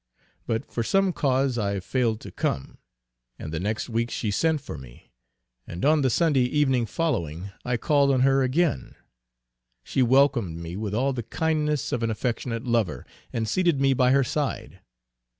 But for some cause I failed to come, and the next week she sent for me, and on the Sunday evening following I called on her again; she welcomed me with all the kindness of an affectionate lover, and seated me by her side.